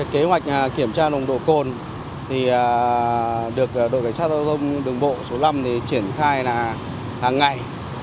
kế hoạch kiểm tra nồng độ cồn được đội cảnh sát giao thông đường bộ số năm triển khai là hàng ngày